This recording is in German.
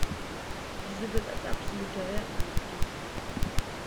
Diese wird als absoluter Wert angegeben.